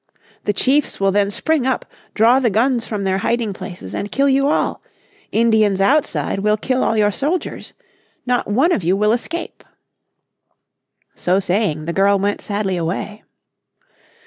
The chiefs will then spring up, draw the guns from their hiding places, and kill you all. Indians outside will kill all your soldiers. Not one of you will escape." So saying the girl went sadly away.